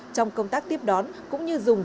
trong công tác tiếp đón cũng như dùng